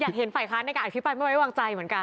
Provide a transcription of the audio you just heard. อยากเห็นฝ่ายค้านในการอธิบายไม่ว่างใจเหมือนกัน